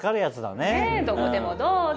ねぇどこでもどうぞ。